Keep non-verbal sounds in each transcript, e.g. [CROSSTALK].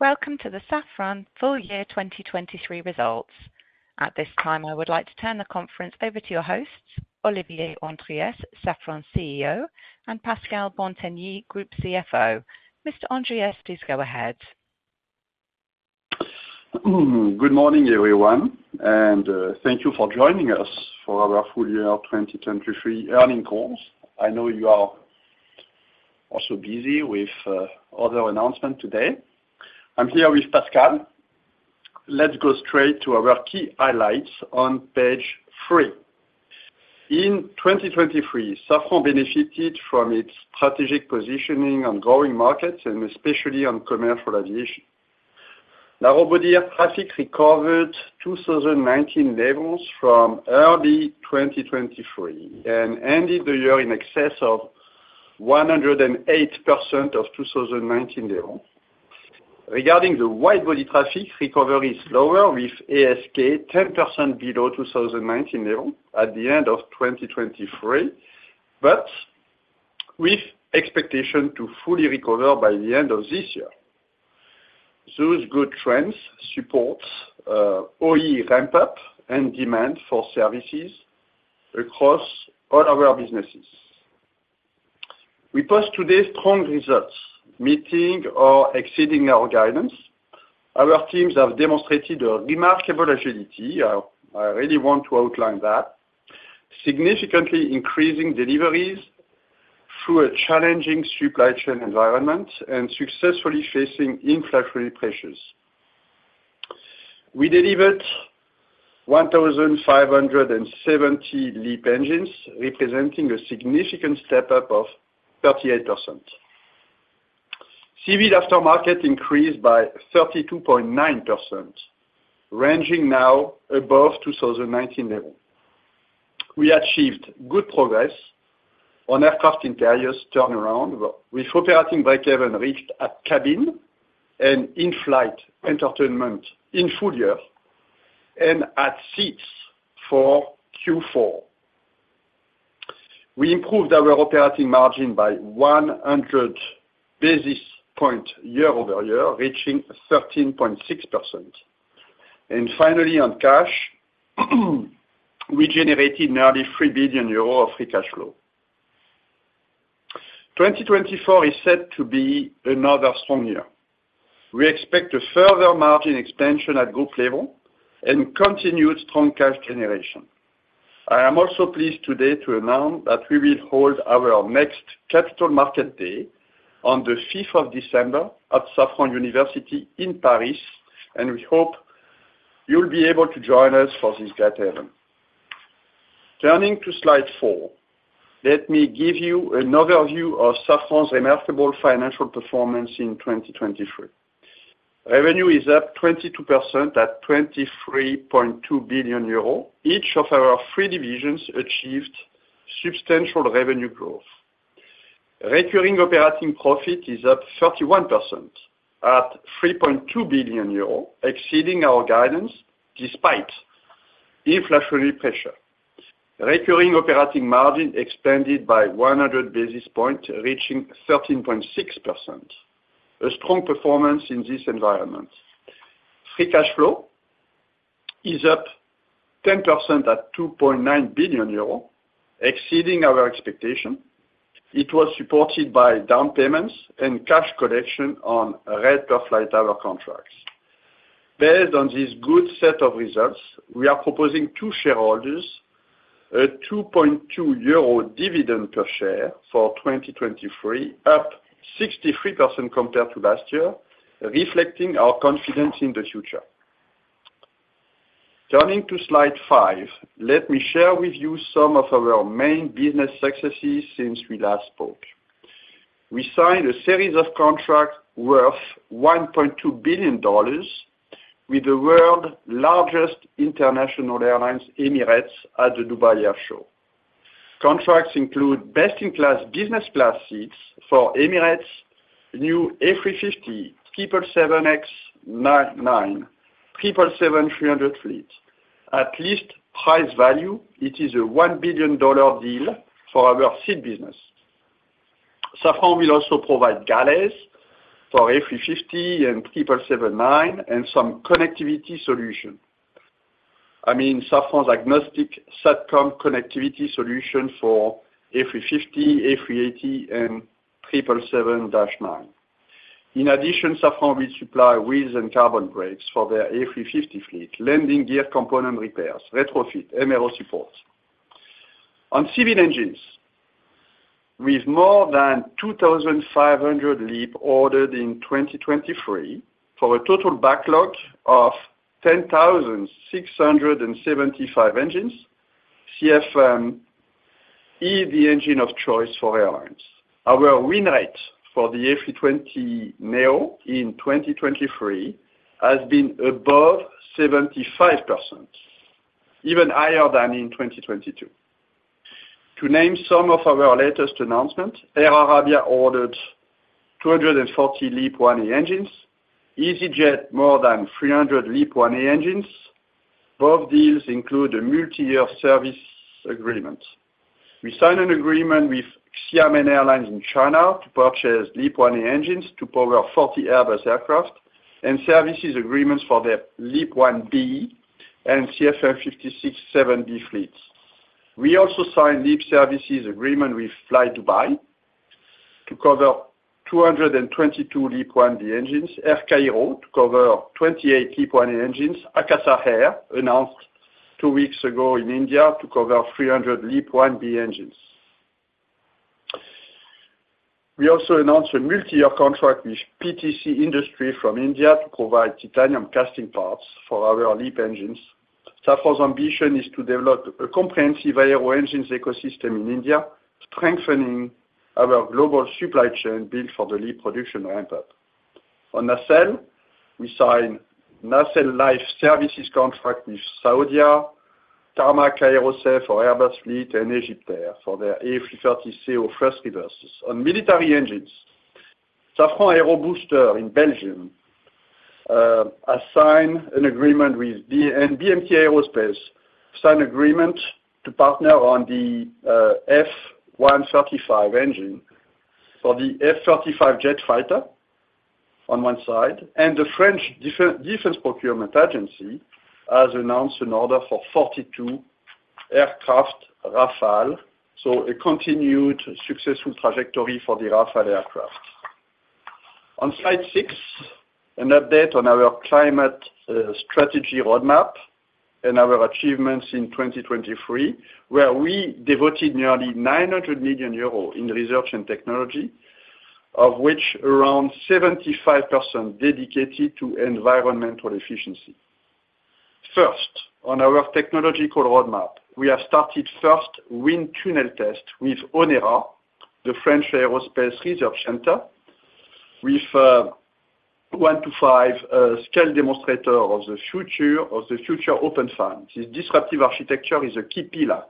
Welcome to the Safran Full Year 2023 results. At this time, I would like to turn the conference over to your hosts, Olivier Andriès, Safran CEO, and Pascal Bantegnie, Group CFO. Mr. Andriès, please go ahead. Good morning, everyone, and thank you for joining us for our full year 2023 earnings call. I know you are also busy with other announcement today. I'm here with Pascal. Let's go straight to our key highlights on page three. In 2023, Safran benefited from its strategic positioning on growing markets and especially on commercial aviation. Now, wide-body traffic recovered 2019 levels from early 2023 and ended the year in excess of 108% of 2019 level. Regarding the wide-body traffic, recovery is lower, with ASK 10% below 2019 level at the end of 2023, but with expectation to fully recover by the end of this year. Those good trends support OE ramp up and demand for services across all our businesses. We post today strong results, meeting or exceeding our guidance. Our teams have demonstrated a remarkable agility, I really want to outline that, significantly increasing deliveries through a challenging supply chain environment and successfully facing inflationary pressures. We delivered 1,570 LEAP engines, representing a significant step up of 38%. Civil aftermarket increased by 32.9%, ranging now above 2019 level. We achieved good progress on Aircraft Interiors turnaround, with operating breakeven reached at Cabin and in-flight entertainment in full year and at Seats for Q4. We improved our operating margin by 100 basis points, year-over-year, reaching 13.6%. Finally, on cash, we generated nearly 3 billion euro of free cash flow. 2024 is set to be another strong year. We expect a further margin expansion at group level and continued strong cash generation. I am also pleased today to announce that we will hold our next Capital Market Day on the 5th of December at Safran University in Paris, and we hope you'll be able to join us for this gathering. Turning to slide four, let me give you an overview of Safran's remarkable financial performance in 2023. Revenue is up 22% at 23.2 billion euros. Each of our three divisions achieved substantial revenue growth. Recurring operating profit is up 31% at 3.2 billion euro, exceeding our guidance despite inflationary pressure. Recurring operating margin expanded by 100 basis points, reaching 13.6%, a strong performance in this environment. Free cash flow is up 10% at 2.9 billion euros, exceeding our expectation. It was supported by down payments and cash collection on rate per flight hour contracts. Based on this good set of results, we are proposing to shareholders a 2.2 euro dividend per share for 2023, up 63% compared to last year, reflecting our confidence in the future. Turning to slide five, let me share with you some of our main business successes since we last spoke. We signed a series of contracts worth $1.2 billion with the world's largest international airlines, Emirates, at the Dubai Air Show. Contracts include best-in-class business class seats for Emirates' new A350, 777X 9, 777-300 fleet. At list price value, it is a $1 billion deal for our seat business. Safran will also provide galleys for A350 and 777-9, and some connectivity solution. I mean, Safran's agnostic SATCOM connectivity solution for A350, A380, and 777-9. In addition, Safran will supply wheels and carbon brakes for their A350 fleet, landing gear component repairs, retrofit, MRO support. On civil engines, with more than 2,500 LEAP ordered in 2023, for a total backlog of 10,675 engines, CFM is the engine of choice for airlines. Our win rate for the A320neo in 2023 has been above 75%, even higher than in 2022. To name some of our latest announcements, Air Arabia ordered 240 LEAP-1A engines, EasyJet more than 300 LEAP-1A engines.... Both deals include a multiyear service agreement. We signed an agreement with Xiamen Airlines in China to purchase LEAP-1A engines to power 40 Airbus aircraft, and services agreements for their LEAP-1B and CFM56-7B fleets. We also signed LEAP services agreement with Flydubai to cover 222 LEAP-1B engines, Air Cairo to cover 28 LEAP-1A engines, Akasa Air, announced two weeks ago in India, to cover 300 LEAP-1B engines. We also announced a multi-year contract with PTC Industries from India to provide titanium casting parts for our LEAP engines. Safran's ambition is to develop a comprehensive aero engines ecosystem in India, strengthening our global supply chain built for the LEAP production ramp-up. On Nacelle, we signed Nacelle life services contract with Saudia, TARMAC Aerosave for Airbus fleet, and EgyptAir for their A330ceo thrust reversers. On military engines, Safran Aero Boosters in Belgium has signed an agreement with BMT Aerospace to partner on the F135 engine for the F-35 jet fighter on one side, and the French Defense Procurement Agency has announced an order for 42 Rafale aircraft, so a continued successful trajectory for the Rafale aircraft. On slide 6, an update on our climate strategy roadmap and our achievements in 2023, where we devoted nearly 900 million euros in research and technology, of which around 75% dedicated to environmental efficiency. First, on our technological roadmap, we have started first wind tunnel test with ONERA, the French Aerospace Research Center, with a 1-to-5 scale demonstrator of the future Open Fan. This disruptive architecture is a key pillar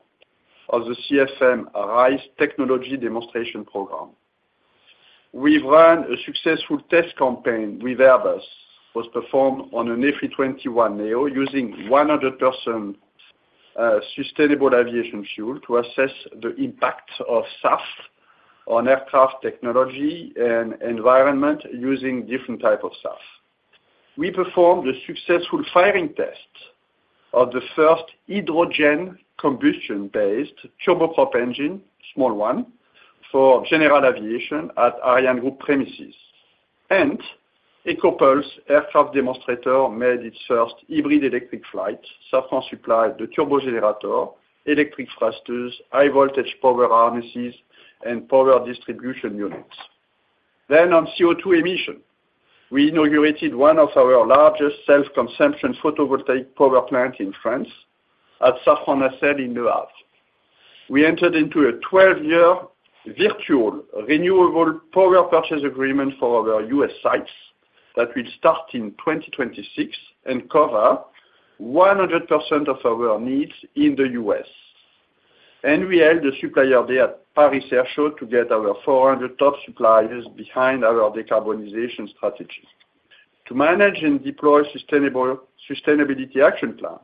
of the CFM RISE technology demonstration program. We've run a successful test campaign with Airbus, was performed on an A321neo, using 100% sustainable aviation fuel to assess the impact of SAF on aircraft technology and environment, using different type of SAF. We performed a successful firing test of the first hydrogen combustion-based turboprop engine, small one, for general aviation at ArianeGroup premises. EcoPulse aircraft demonstrator made its first hybrid electric flight. Safran supplied the turbo generator, electric thrusters, high voltage power harnesses, and power distribution units. Then on CO2 emission, we inaugurated one of our largest self-consumption photovoltaic power plant in France, at Safran Nacelles in Nouaceur. We entered into a 12-year virtual renewable power purchase agreement for our US sites that will start in 2026 and cover 100% of our needs in the US. We held a supplier day at Paris Air Show to get our 400 top suppliers behind our decarbonization strategy. To manage and deploy sustainability action plan,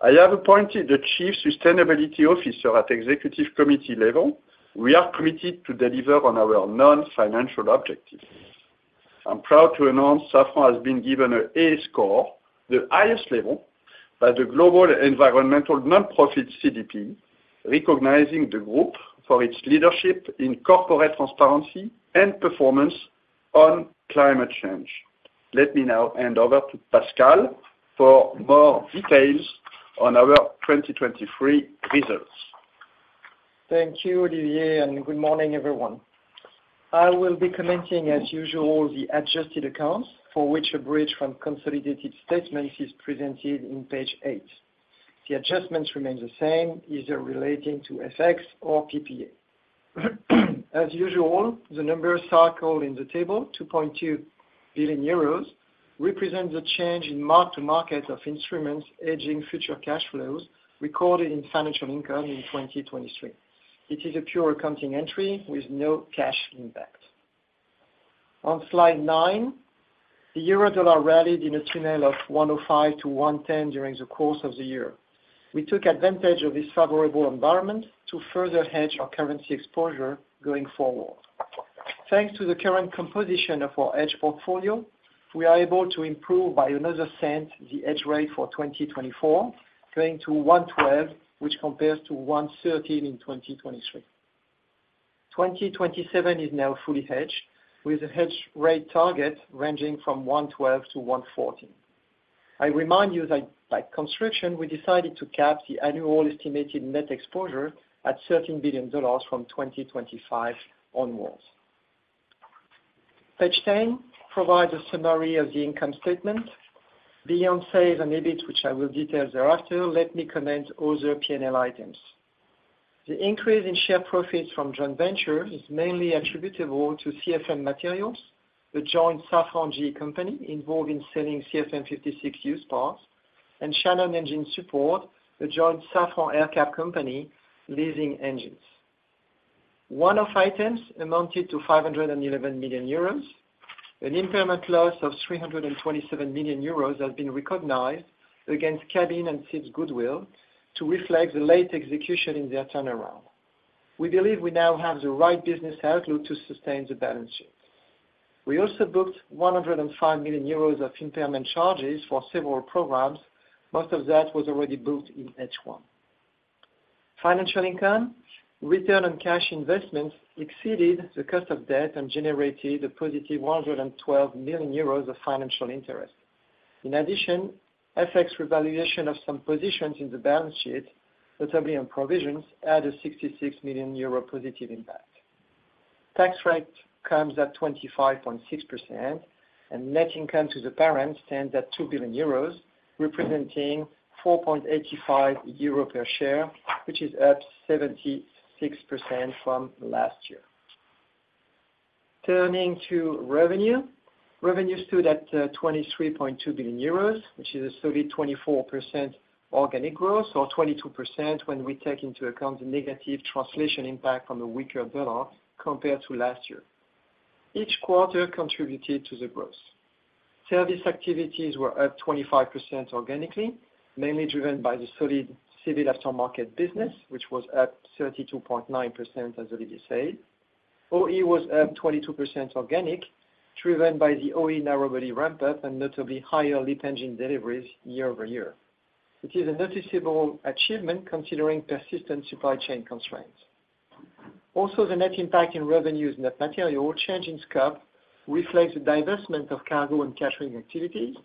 I have appointed a chief sustainability officer at executive committee level. We are committed to deliver on our non-financial objectives. I'm proud to announce Safran has been given an A score, the highest level, by the global environmental nonprofit CDP, recognizing the group for its leadership in corporate transparency and performance on climate change. Let me now hand over to Pascal for more details on our 2023 results. Thank you, Olivier, and good morning, everyone. I will be commenting, as usual, the adjusted accounts, for which a bridge from consolidated statements is presented in page eight. The adjustments remain the same, either relating to FX or PPA. As usual, the number circled in the table, 2.2 billion euros, represents a change in mark-to-market of instruments hedging future cash flows recorded in financial income in 2023. It is a pure accounting entry with no cash impact. On slide nine, the Euro Dollar rallied in a tunnel of 1.05-1.10 during the course of the year. We took advantage of this favorable environment to further hedge our currency exposure going forward. Thanks to the current composition of our hedge portfolio, we are able to improve by another cent, the hedge rate for 2024, going to 1.12, which compares to 1.13 in 2023. 2027 is now fully hedged, with a hedge rate target ranging from 1.12-1.14. I remind you that by construction, we decided to cap the annual estimated net exposure at $13 billion from 2025 onwards. Page ten provides a summary of the income statement. Beyond sales and EBIT, which I will detail thereafter, let me comment other P&L items. The increase in share profits from joint venture is mainly attributable to CFM Materials, the joint Safran GE company involved in selling CFM56 used parts, and Shannon Engine Support, a joint Safran-GE company, leasing engines. One-off items amounted to 511 million euros. An impairment loss of 327 million euros has been recognized against Cabin and Seats goodwill to reflect the late execution in their turnaround. We believe we now have the right business outlook to sustain the balance sheet. We also booked 105 million euros of impairment charges for several programs, most of that was already booked in H1. Financial income, return on cash investments exceeded the cost of debt and generated a positive 112 million euros of financial interest. In addition, FX revaluation of some positions in the balance sheet, notably on provisions, had a 66 million euro positive impact. Tax rate comes at 25.6%, and net income to the parent stands at 2 billion euros, representing 4.85 euro per share, which is up 76% from last year. Turning to revenue. Revenue stood at 23.2 billion euros, which is a solid 24% organic growth, or 22% when we take into account the negative translation impact on the weaker dollar compared to last year. Each quarter contributed to the growth. Service activities were up 25% organically, mainly driven by the solid civil aftermarket business, which was up 32.9%, as Olivier said. OE was up 22% organic, driven by the OE narrow body ramp up and notably higher LEAP engine deliveries year-over-year, which is a noticeable achievement considering persistent supply chain constraints. Also, the net impact in revenues, net material change in scope, reflects the divestment of cargo and catering activities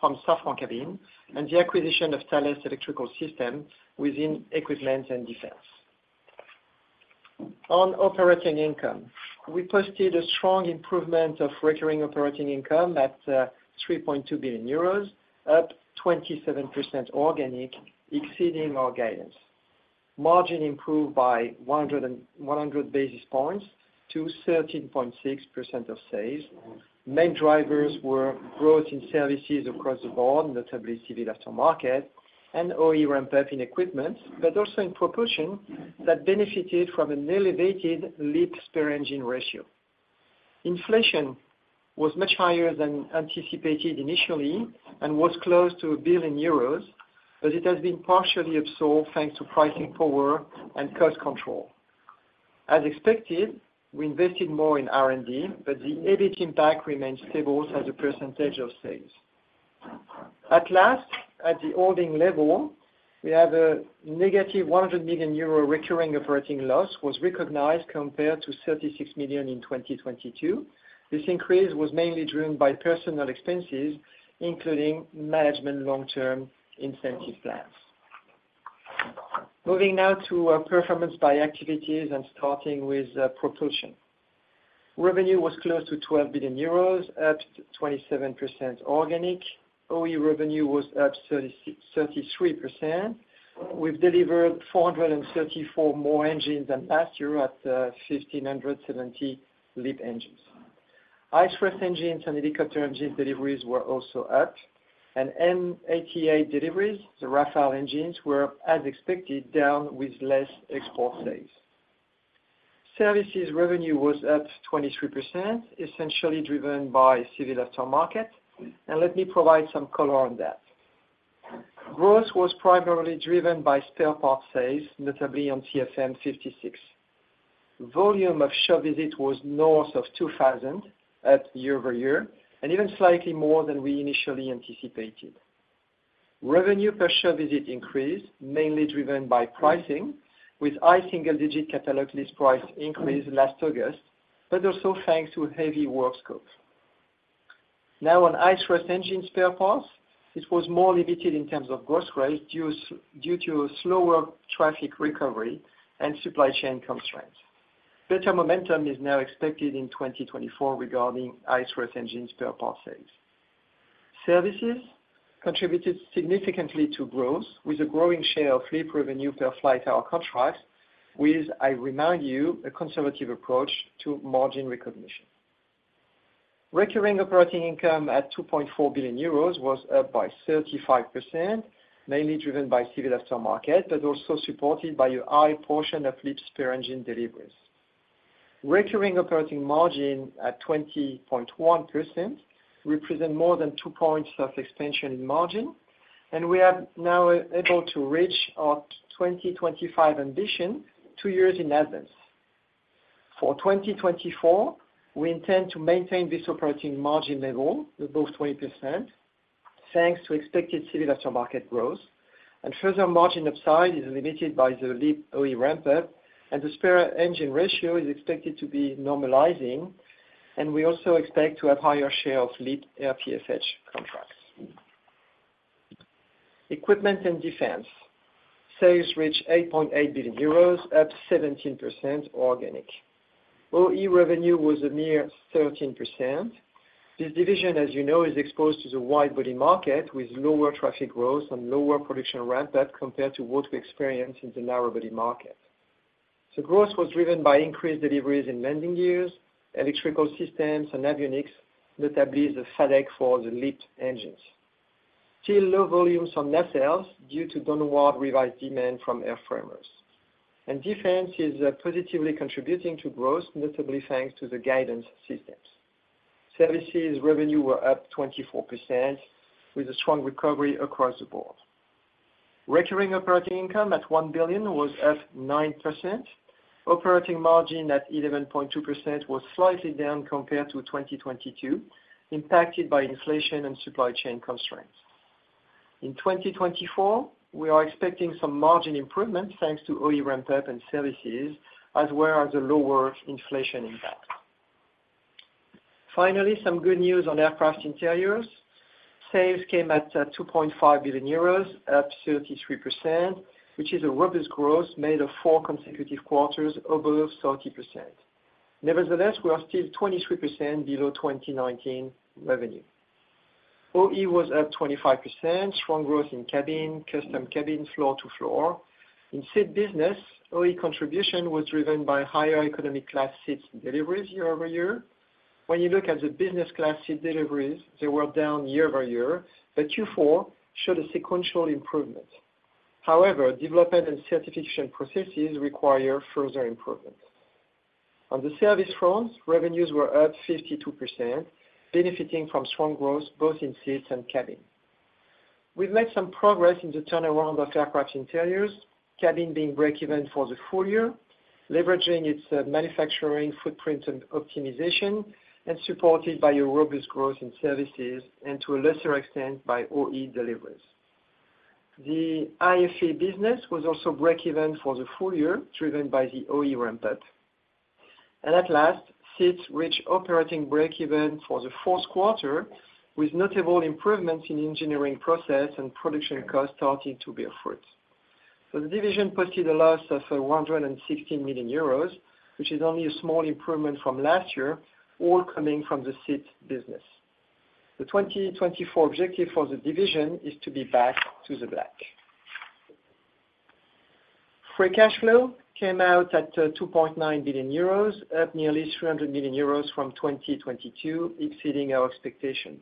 from Safran Cabin, and the acquisition of Thales Electrical Systems within Equipment and Defense. On operating income, we posted a strong improvement of recurring operating income at 3.2 billion euros, up 27% organic, exceeding our guidance. Margin improved by 101 basis points to 13.6% of sales. Main drivers were growth in services across the board, notably civil aftermarket and OE ramp up in equipment, but also in Propulsion that benefited from an elevated LEAP spare engine ratio. Inflation was much higher than anticipated initially and was close to 1 billion euros, but it has been partially absorbed thanks to pricing power and cost control. As expected, we invested more in R&D, but the EBIT impact remains stable as a percentage of sales. At last, at the holding level, we have a negative 100 million euro recurring operating loss was recognized compared to 36 million in 2022. This increase was mainly driven by personal expenses, including management long-term incentive plans. Moving now to performance by activities and starting with Propulsion. Revenue was close to 12 billion euros, up to 27% organic. OE revenue was up 36, 33%. We've delivered 434 more engines than last year at 1,570 LEAP engines. High thrust engines and helicopter engine deliveries were also up, and M88 deliveries, the Rafale engines, were, as expected, down with less export sales. Services revenue was up 23%, essentially driven by civil aftermarket. And let me provide some color on that. Growth was primarily driven by spare parts sales, notably on CFM56. Volume of shop visit was north of 2,000 year-over-year, and even slightly more than we initially anticipated. Revenue per shop visit increased, mainly driven by pricing, with high single-digit catalog list price increase last August, but also thanks to heavy work scope. Now, on high thrust engine spare parts, it was more limited in terms of growth rate, due to slower traffic recovery and supply chain constraints. Better momentum is now expected in 2024 regarding high thrust engine spare parts sales. Services contributed significantly to growth, with a growing share of LEAP revenue per flight hour contracts, with, I remind you, a conservative approach to margin recognition. Recurring operating income at 2.4 billion euros was up by 35%, mainly driven by civil aftermarket, but also supported by a high portion of LEAP spare engine deliveries. Recurring operating margin at 20.1% represent more than 2 points of expansion in margin, and we are now able to reach our 2025 ambition 2 years in advance. For 2024, we intend to maintain this operating margin level above 20%, thanks to expected civil aftermarket growth, and further margin upside is limited by the LEAP OE ramp up, and the spare engine ratio is expected to be normalizing, and we also expect to have higher share of LEAP RPFH contracts. Equipment and Defense. Sales reach 8.8 billion euros, up 17% organic. OE revenue was a mere 13%. This division, as you know, is exposed to the wide-body market, with lower traffic growth and lower production ramp up compared to what we experienced in the narrow-body market. So growth was driven by increased deliveries in landing gears, electrical systems and avionics, notably the FADEC for the LEAP engines. Still low volumes on net sales due to downward revised demand from airframers. And defense is positively contributing to growth, notably thanks to the guidance systems. Services revenue were up 24%, with a strong recovery across the board. Recurring operating income at 1 billion was up 9%. Operating margin at 11.2% was slightly down compared to 2022, impacted by inflation and supply chain constraints. In 2024, we are expecting some margin improvements, thanks to OE ramp-up and services, as well as a lower inflation impact. Finally, some good news on Aircraft Interiors. Sales came at 2.5 billion euros, up 33%, which is a robust growth made of four consecutive quarters over 30%. Nevertheless, we are still 23% below 2019 revenue. OE was up 25%, strong growth in Cabin, custom cabin, floor to floor. In Seat business, OE contribution was driven by higher economic class seats deliveries year-over-year. When you look at the business class seat deliveries, they were down year-over-year, but Q4 showed a sequential improvement. However, development and certification processes require further improvements. On the service front, revenues were up 52%, benefiting from strong growth both in Seats and Cabin. We've made some progress in the turnaround of Aircraft Interiors, Cabin being break-even for the full year, leveraging its manufacturing footprint and optimization, and supported by a robust growth in services and to a lesser extent, by OE deliveries. The IFE business was also break-even for the full year, driven by the OE ramp-up. At last, seats reach operating break even for the fourth quarter, with notable improvements in engineering process and production costs starting to bear fruit. So the division posted a loss of 116 million euros, which is only a small improvement from last year, all coming from the seat business. The 2024 objective for the division is to be back to the black. Free cash flow came out at 2.9 billion euros, up nearly 300 million euros from 2022, exceeding our expectation.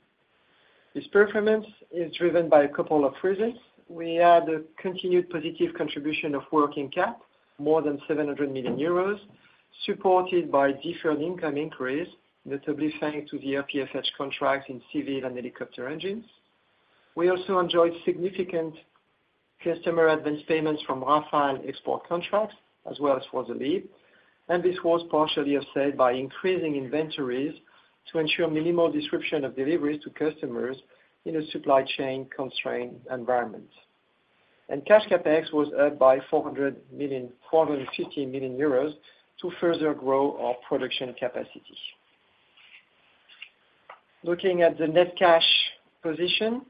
This performance is driven by a couple of reasons. We had a continued positive contribution of working cap, more than 700 million euros, supported by deferred income increase, notably thanks to the RPFH contract in civil and helicopter engines. We also enjoyed significant customer advanced payments from Rafale export contracts, as well as for the LEAP, and this was partially offset by increasing inventories to ensure minimal disruption of deliveries to customers in a supply chain constrained environment. Cash CapEx was up by 400 million, 450 million euros to further grow our production capacity. Looking at the net cash position,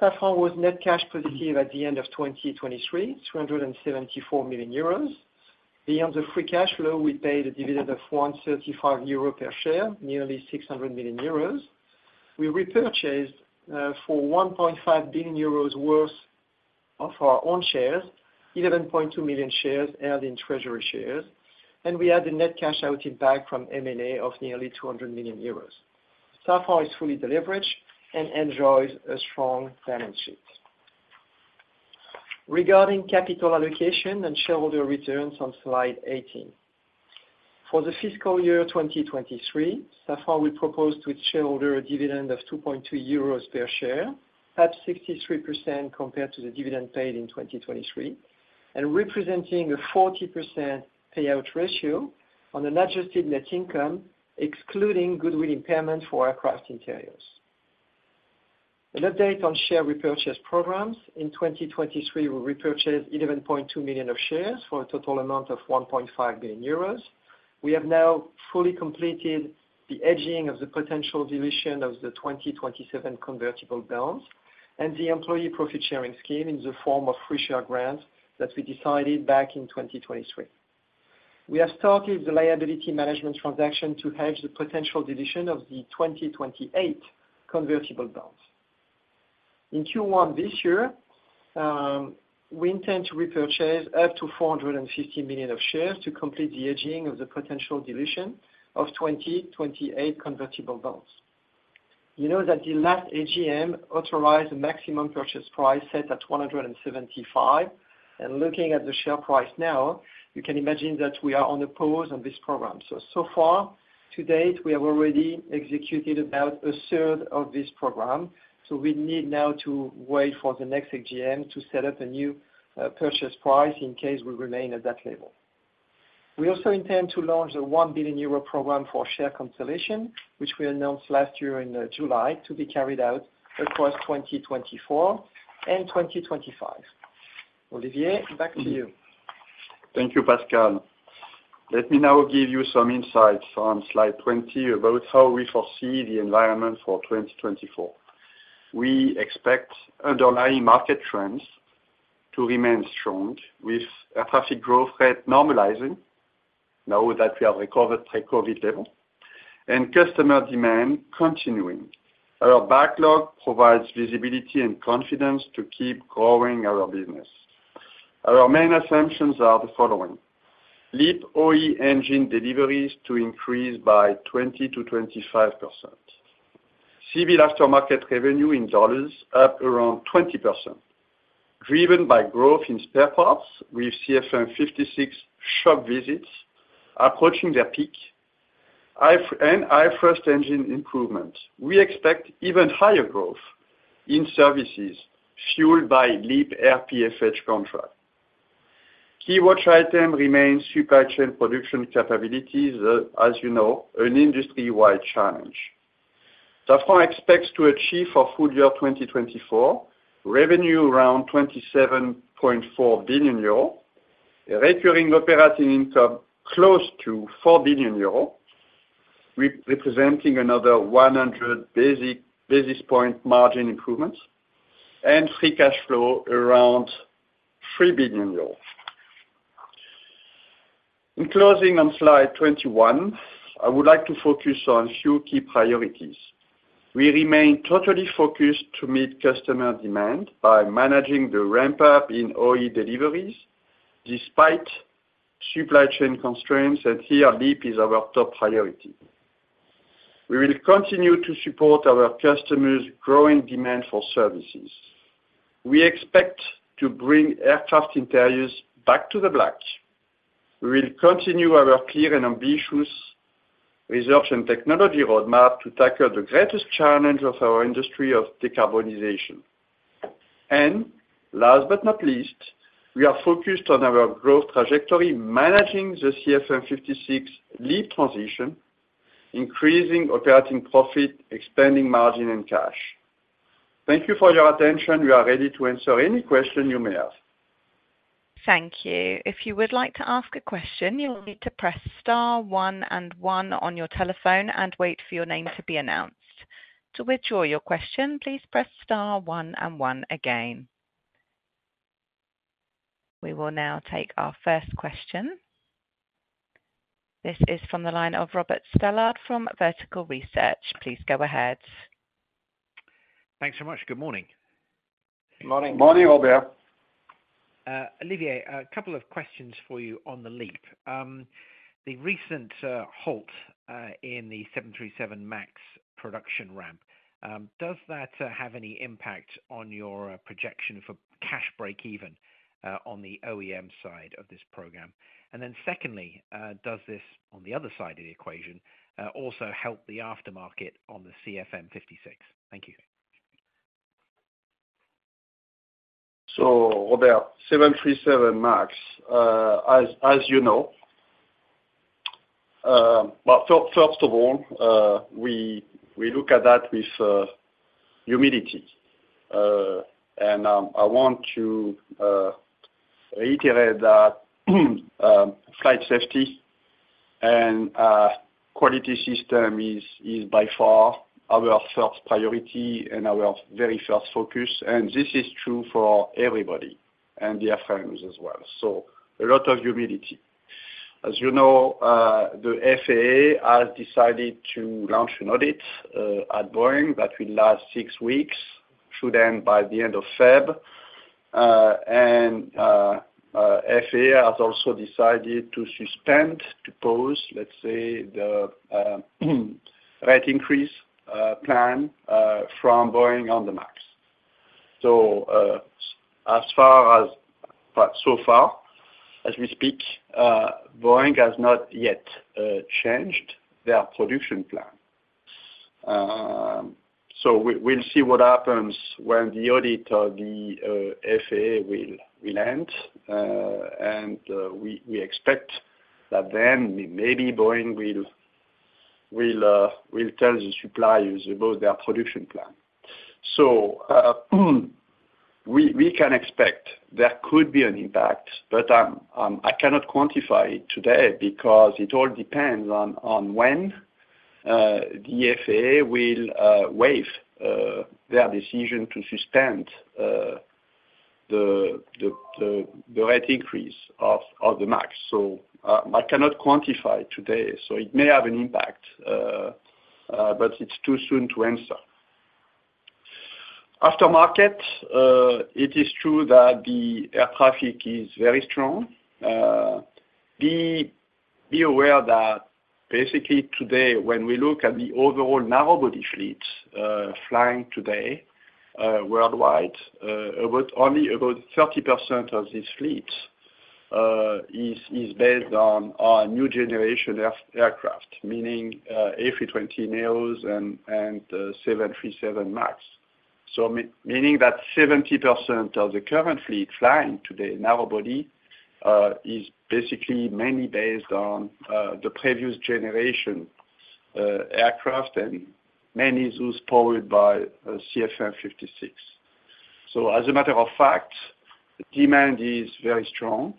Safran was net cash positive at the end of 2023, 274 million euros. Beyond the free cash flow, we paid a dividend of 1.35 euros per share, nearly 600 million euros. We repurchased for 1.5 billion euros worth of our own shares, 11.2 million shares held in treasury shares, and we had a net cash out impact from M&A of nearly 200 million euros. Safran is fully leveraged and enjoys a strong balance sheet. Regarding capital allocation and shareholder returns on Slide 18. For the fiscal year 2023, Safran, we proposed to its shareholder a dividend of 2.2 euros per share, up 63% compared to the dividend paid in 2023, and representing a 40% payout ratio on an adjusted net income, excluding goodwill impairment for Aircraft Interiors. An update on share repurchase programs. In 2023, we repurchased 11.2 million shares for a total amount of 1.5 billion euros. We have now fully completed the hedging of the potential dilution of the 2027 convertible bonds and the employee profit sharing scheme in the form of free share grants that we decided back in 2023. We have started the liability management transaction to hedge the potential dilution of the 2028 convertible bonds. In Q1 this year, we intend to repurchase up to 450 million shares to complete the hedging of the potential dilution of 2028 convertible bonds. You know that the last AGM authorized a maximum purchase price set at 175, and looking at the share price now, you can imagine that we are on a pause on this program. So, so far to date, we have already executed about a third of this program, so we need now to wait for the next AGM to set up a new purchase price in case we remain at that level. We also intend to launch a 1 billion euro program for share consolidation, which we announced last year in July, to be carried out across 2024 and 2025. Olivier, back to you. Thank you, Pascal. Let me now give you some insights on Slide 20 about how we foresee the environment for 2024. We expect underlying market trends to remain strong, with air traffic growth rate normalizing, now that we have recovered pre-COVID level, and customer demand continuing. Our backlog provides visibility and confidence to keep growing our business. Our main assumptions are the following: LEAP OE engine deliveries to increase by 20%-25%. Civil aftermarket revenue in dollars up around 20%, driven by growth in spare parts with CFM56 shop visits approaching their peak, and first engine improvement. We expect even higher growth in services, fueled by LEAP RPFH contract. Key watch item remains supply chain production capabilities, as you know, an industry-wide challenge. Safran expects to achieve for full year 2024, revenue around 27.4 billion euro, recurring operating income close to 4 billion euro, representing another 100 basis point margin improvements, and free cash flow around 3 billion euros. In closing on slide 21, I would like to focus on few key priorities. We remain totally focused to meet customer demand by managing the ramp up in OE deliveries, despite supply chain constraints, and here, LEAP is our top priority. We will continue to support our customers' growing demand for services. We expect to bring Aircraft Interiors back to the black. We will continue our clear and ambitious research and technology roadmap to tackle the greatest challenge of our industry of decarbonization. Last but not least, we are focused on our growth trajectory, managing the CFM56 LEAP transition, increasing operating profit, expanding margin and cash. Thank you for your attention. We are ready to answer any question you may have. Thank you. If you would like to ask a question, you will need to press star one and one on your telephone and wait for your name to be announced. To withdraw your question, please press star one and one again. We will now take our first question. This is from the line of Robert Stallard from Vertical Research. Please go ahead. Thanks so much. Good morning. Good morning. Morning, Robert. Olivier, a couple of questions for you on the LEAP. The recent halt in the 737 MAX production ramp, does that have any impact on your projection for cash breakeven on the OEM side of this program? And then secondly, does this on the other side of the equation also help the aftermarket on the CFM56? Thank you. So Robert, 737 MAX, as you know, well, first of all, we look at that with humility. And I want to reiterate that flight safety and quality system is by far our first priority and our very first focus, and this is true for everybody and the firms as well. So a lot of humility. As you know, the FAA has decided to launch an audit at Boeing that will last six weeks, through then by the end of February. And the FAA has also decided to suspend, to pause, let's say, the rate increase plan from Boeing on the MAX. So, as far as, but so far, as we speak, Boeing has not yet changed their production plan. We'll see what happens when the audit of the FAA will end. We expect that then maybe Boeing will tell the suppliers about their production plan. We can expect there could be an impact, but I cannot quantify it today because it all depends on when the FAA will waive their decision to suspend the rate increase of the Max. I cannot quantify today, so it may have an impact, but it's too soon to answer. Aftermarket, it is true that the air traffic is very strong. Be aware that basically today, when we look at the overall narrow body fleet flying today worldwide, about only about 30% of this fleet is based on new generation aircraft, meaning A320neos and 737 MAX. Meaning that 70% of the current fleet flying today, narrow body, is basically mainly based on the previous generation aircraft, and mainly those powered by CFM56. So as a matter of fact, demand is very strong.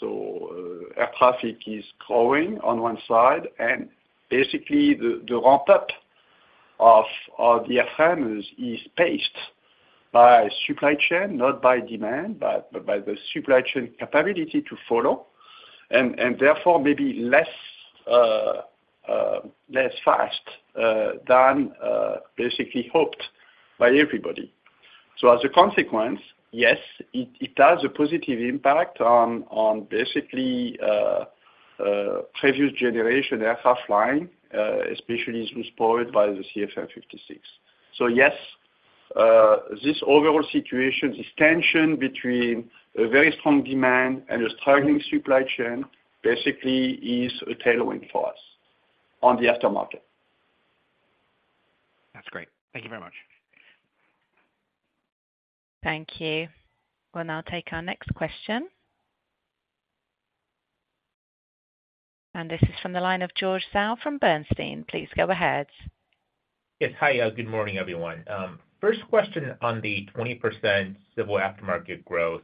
So air traffic is growing on one side, and basically, the ramp up of the CFM is paced by supply chain, not by demand, but by the supply chain capability to follow... and therefore maybe less fast than basically hoped by everybody. So as a consequence, yes, it has a positive impact on basically previous generation aircraft line, especially as we support by the CFM56. So yes, this overall situation, this tension between a very strong demand and a struggling supply chain, basically is a tailwind for us on the aftermarket. That's great. Thank you very much. Thank you. We'll now take our next question. This is from the line of George Zhao from Bernstein. Please go ahead. Yes. Hi, good morning, everyone. First question on the 20% civil aftermarket growth.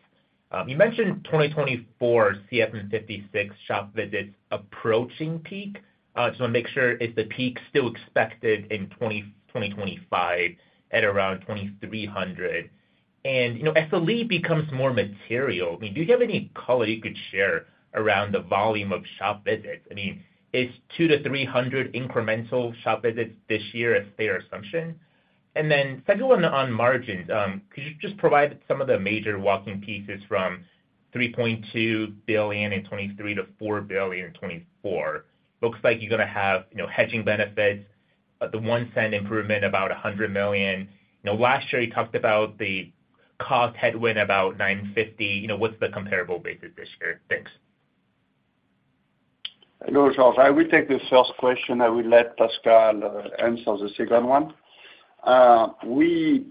You mentioned 2024 CFM56 shop visits approaching peak. Just wanna make sure, is the peak still expected in 2025 at around 2,300? And, you know, as the LEAP becomes more material, I mean, do you have any color you could share around the volume of shop visits? I mean, is 200-300 incremental shop visits this year a fair assumption? And then second one on margins, could you just provide some of the major walking pieces from 3.2 billion in 2023 to 4 billion in 2024? Looks like you're gonna have, you know, hedging benefits, the $0.01 improvement about 100 million. You know, last year you talked about the cost headwind about 950, you know, what's the comparable basis this year? Thanks. Hello, George. I will take the first question, I will let Pascal answer the second one. We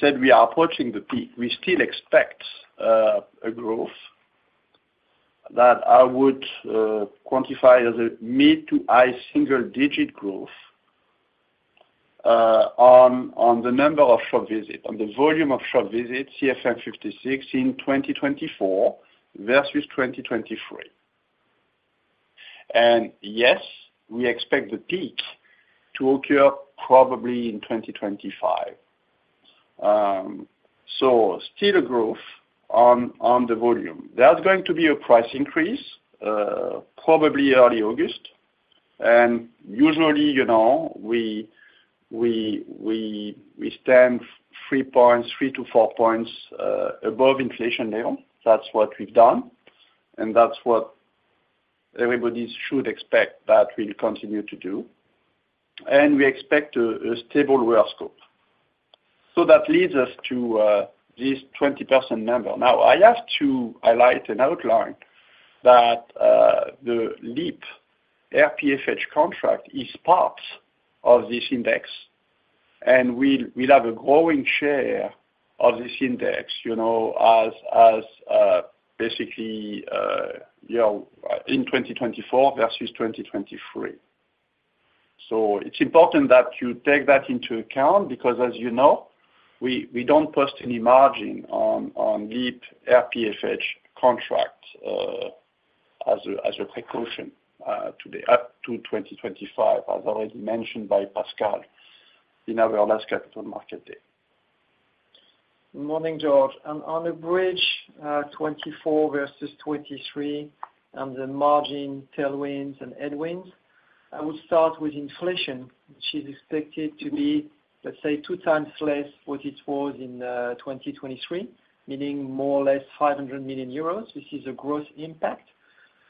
said we are approaching the peak. We still expect a growth that I would quantify as a mid- to high-single-digit growth on the number of shop visit, on the volume of shop visits, CFM56 in 2024 versus 2023. And yes, we expect the peak to occur probably in 2025. So still a growth on the volume. There's going to be a price increase probably early August, and usually, you know, we stand 3 points, 3-4 points above inflation level. That's what we've done, and that's what everybody should expect that we'll continue to do. And we expect a stable work scope. So that leads us to this 20% number. Now, I have to highlight and outline that, the LEAP RPFH contract is part of this index, and we'll, we'll have a growing share of this index, you know, as, as, basically, you know, in 2024 versus 2023. So it's important that you take that into account, because as you know, we, we don't post any margin on, on LEAP RPFH contract, as a, as a precaution, today, up to 2025, as already mentioned by Pascal in our last capital market day. Morning, George. On the bridge, 2024 versus 2023, on the margin tailwinds and headwinds, I would start with inflation, which is expected to be, let's say, two times less what it was in 2023, meaning more or less 500 million euros, which is a gross impact.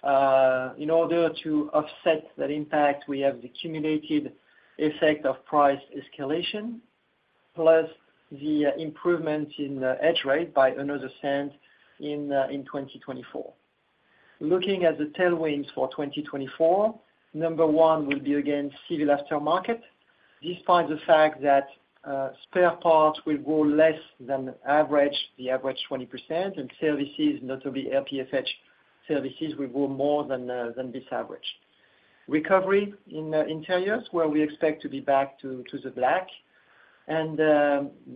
In order to offset that impact, we have the cumulative effect of price escalation, plus the improvement in the hedge rate by another cent in 2024. Looking at the tailwinds for 2024, number one will be again, civil aftermarket. Despite the fact that spare parts will grow less than average, the average 20%, and services, notably RPFH services, will grow more than this average. Recovery in interiors, where we expect to be back to the black, and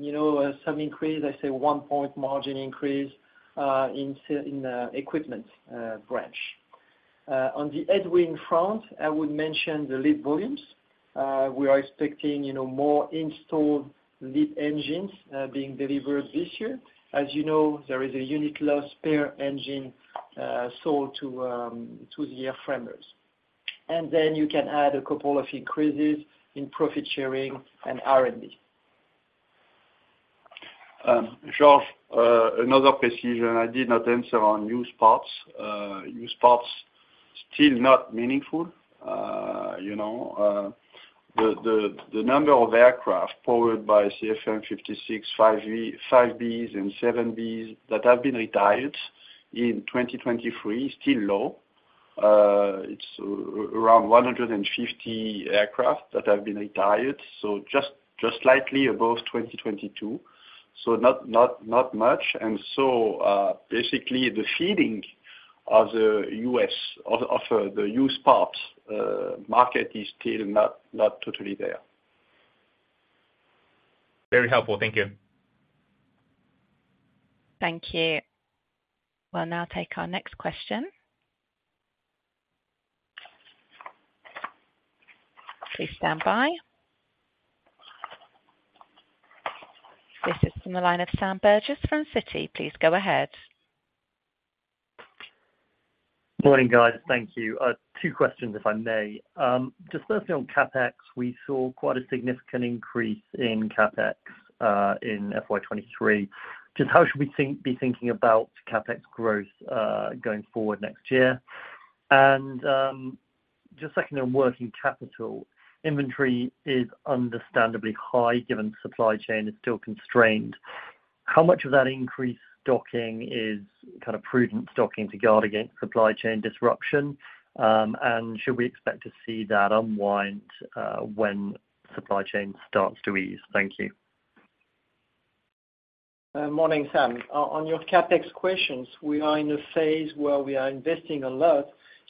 you know, some increase. I say 1-point margin increase in equipment branch. On the headwind front, I would mention the LEAP volumes. We are expecting, you know, more installed LEAP engines being delivered this year. As you know, there is a unitary low spare engine sold to the airframers. And then you can add a couple of increases in profit sharing and R&D. George, another precision I did not answer on used parts. Used parts, still not meaningful. You know, the number of aircraft powered by CFM56-5B, 5Bs and 7Bs that have been retired in 2023, still low. It's around 150 aircraft that have been retired, so just slightly above 2022, so not much. And so, basically the feeding of the used parts market is still not totally there. Very helpful. Thank you. Thank you. We'll now take our next question.... Please stand by. This is from the line of Sam Burgess from Citi. Please go ahead. Morning, guys. Thank you. Two questions, if I may. Just firstly on CapEx, we saw quite a significant increase in CapEx in FY 2023. Just how should we be thinking about CapEx growth going forward next year? And just second on working capital, inventory is understandably high, given supply chain is still constrained. How much of that increased stocking is kind of prudent stocking to guard against supply chain disruption? And should we expect to see that unwind when supply chain starts to ease? Thank you. Morning, Sam. On your CapEx questions, we are in a phase where we are investing a lot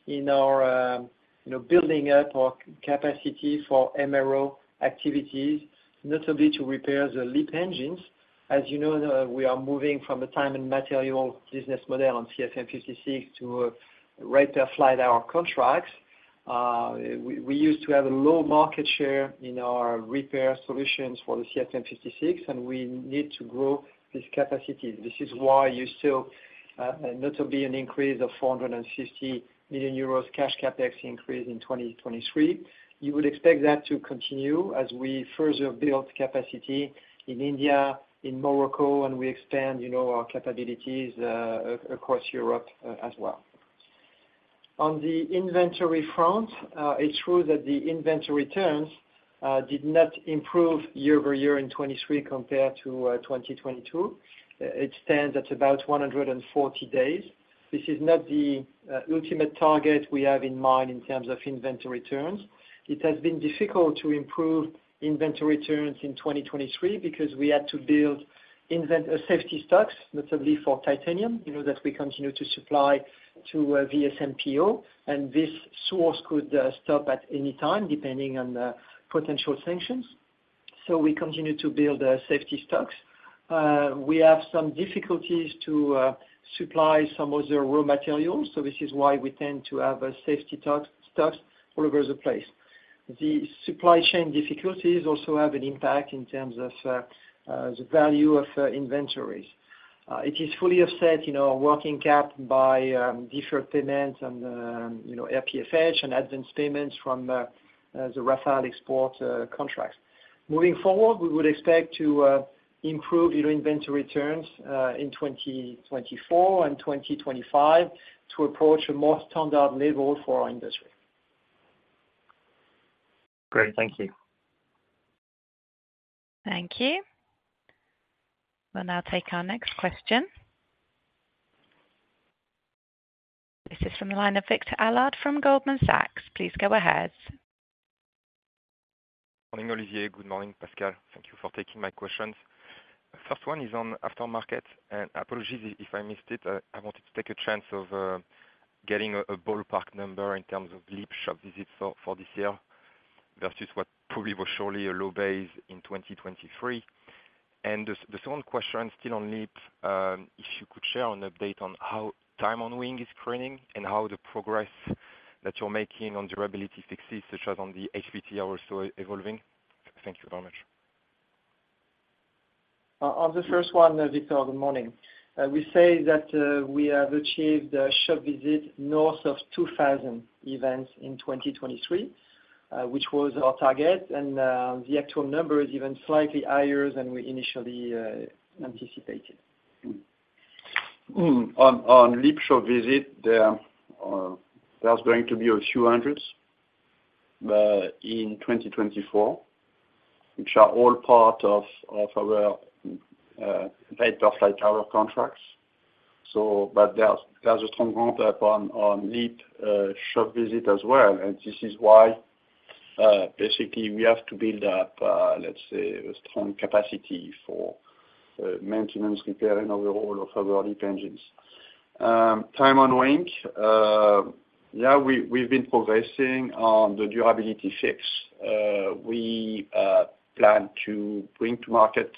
in our, you know, building up our capacity for MRO activities, not only to repair the LEAP engines. As you know, we are moving from a time and material business model on CFM56 to rate per flight hour contracts. We used to have a low market share in our repair solutions for the CFM56, and we need to grow this capacity. This is why you still saw an increase of 450 million euros cash CapEx in 2023. You would expect that to continue as we further build capacity in India, in Morocco, and we expand, you know, our capabilities across Europe, as well. On the inventory front, it's true that the inventory returns did not improve year-over-year in 2023 compared to 2022. It stands at about 140 days. This is not the ultimate target we have in mind in terms of inventory returns. It has been difficult to improve inventory returns in 2023 because we had to build inventory safety stocks, notably for titanium, you know, that we continue to supply to VSMPO, and this source could stop at any time, depending on potential sanctions. So we continue to build safety stocks. We have some difficulties to supply some of the raw materials, so this is why we tend to have a safety stocks, stocks all over the place. The supply chain difficulties also have an impact in terms of the value of inventories. It is fully offset, you know, working cap by different payments and, you know, RPFH and advance payments from the Rafale export contracts. Moving forward, we would expect to improve, you know, inventory returns in 2024 and 2025 to approach a more standard level for our industry. Great. Thank you. Thank you. We'll now take our next question. This is from the line of Victor Allard from Goldman Sachs. Please go ahead. Morning, Olivier. Good morning, Pascal. Thank you for taking my questions. First one is on aftermarket, and apologies if I missed it. I wanted to take a chance of getting a ballpark number in terms of LEAP shop visits for this year, versus what probably was surely a low base in 2023. The second question, still on LEAP, if you could share an update on how time on wing is trending and how the progress that you're making on durability fixes, such as on the HPT, are also evolving? Thank you very much. On the first one, Victor, good morning. We say that we have achieved a shop visit north of 2,000 events in 2023, which was our target, and the actual number is even slightly higher than we initially anticipated. On LEAP shop visits, there are going to be a few hundred in 2024, which are all part of our rate per flight hour contracts. But there's a strong ramp up on LEAP shop visits as well, and this is why basically we have to build up, let's say, a strong capacity for maintenance, repair, and overhaul of our LEAP engines. Time on wing, yeah, we've been progressing on the durability fix. We plan to bring to market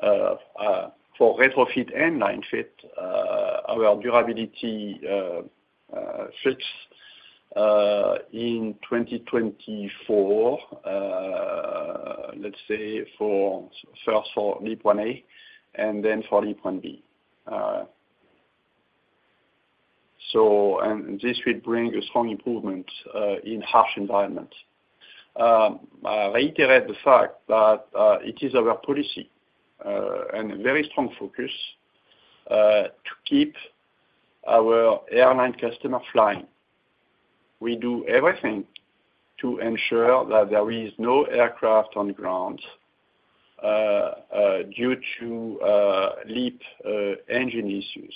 for retrofit and line fit our durability fix in 2024, let's say first for LEAP-1A and then for LEAP-1B. So and this will bring a strong improvement in harsh environment. I reiterate the fact that it is our policy and a very strong focus to keep our airline customer flying. We do everything to ensure that there is no aircraft on the ground due to LEAP engine issues.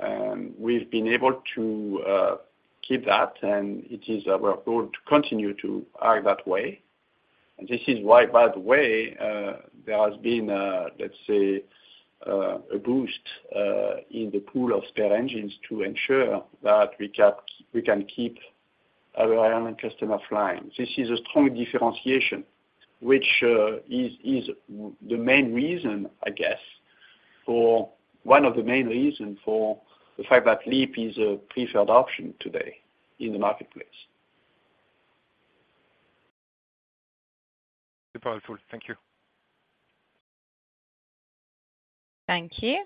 And we've been able to keep that, and it is our goal to continue to act that way. And this is why, by the way, there has been, let's say, a boost in the pool of spare engines to ensure that we can, we can keep our airline customer flying. This is a strong differentiation, which is the main reason, I guess, for one of the main reason for the fact that LEAP is a preferred option today in the marketplace. Super helpful. Thank you. Thank you.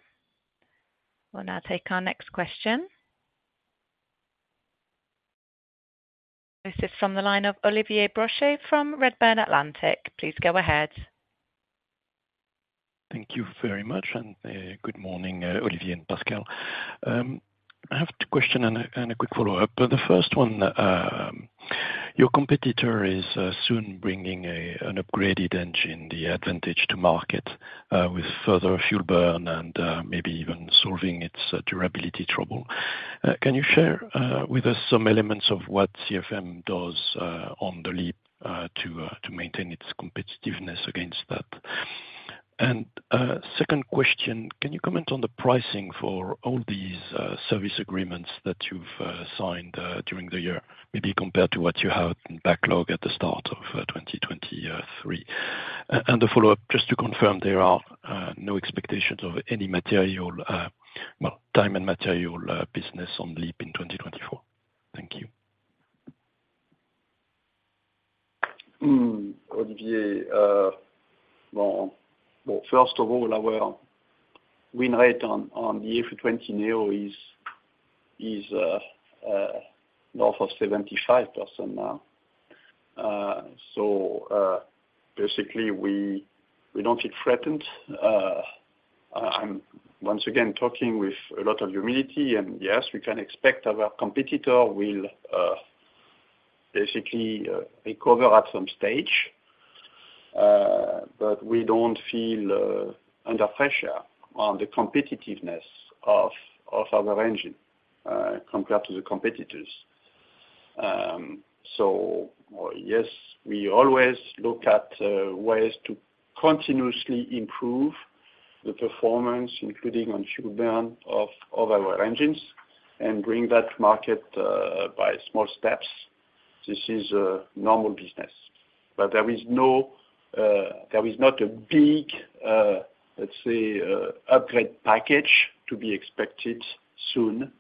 We'll now take our next question. This is from the line of Olivier Brochet from Redburn Atlantic. Please go ahead. Thank you very much, and, good morning, Olivier and Pascal. I have two questions and a, and a quick follow-up. But the first one, your competitor is, soon bringing a, an upgraded engine, the advantage to market, with further fuel burn and, maybe even solving its durability trouble. Can you share, with us some elements of what CFM does, on the LEAP, to, to maintain its competitiveness against that? And, second question, can you comment on the pricing for all these, service agreements that you've, signed, during the year, maybe compared to what you had in backlog at the start of, 2023? And the follow-up, just to confirm, there are, no expectations of any material, well, time and material, business on LEAP in 2024. Thank you. Hmm, Olivier, well, first of all, our win rate on the A320neo is north of 75% now. So, basically, we don't feel threatened. I'm once again talking with a lot of humility, and yes, we can expect our competitor will basically recover at some stage. But we don't feel under pressure on the competitiveness of our engine compared to the competitors. So yes, we always look at ways to continuously improve the performance, including on fuel burn of our engines, and bring that market by small steps. This is a normal business. But there is no, there is not a big, let's say, upgrade package to be expected soon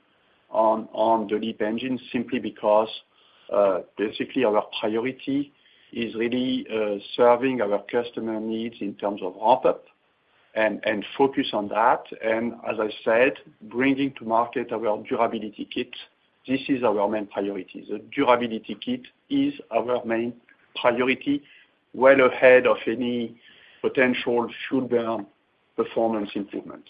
on the LEAP engine, simply because, basically our priority is really serving our customer needs in terms of ramp up and focus on that, and as I said, bringing to market our durability kit. This is our main priority. The durability kit is our main priority, well ahead of any potential fuel burn performance improvement.